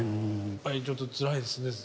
やっぱりちょっとつらいですね。